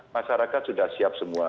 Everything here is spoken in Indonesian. masyarakat sudah siap semua